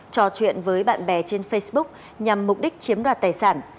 trò chuyện với bạn bè trên facebook nhằm mục đích chiếm đoạt tài sản